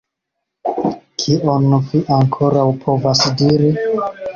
Kion vi ankoraŭ povas diri?